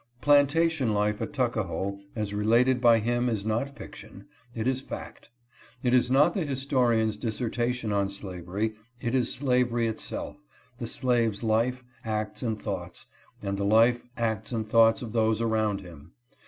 Plantation life at Tuckahoe as related by him is not fiction, it is fact; it is not the historian's dis sertation on slavery, it is slavery itself, the slave's life, acts, and thoughts, and the life, acts, and thoughts of those around him.